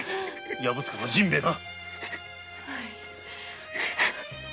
薮塚の陣兵衛だな。